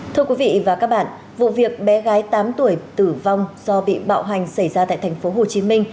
thưa quý vị và các bạn vụ việc bé gái tám tuổi tử vong do bị bạo hành xảy ra tại tp hcm